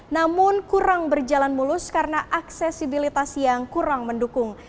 namun kurang berjalan mulus karena aksesibilitas yang kurang mendukung